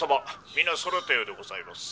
皆そろったようでございます」。